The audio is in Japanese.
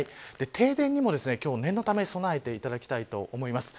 停電にも今日は念のため備えていただきたいと思います。